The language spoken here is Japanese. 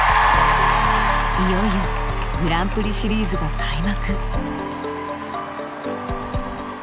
いよいよグランプリシリーズが開幕。